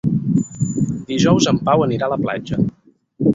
Dijous en Pau anirà a la platja.